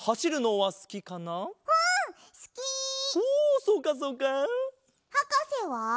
はかせは？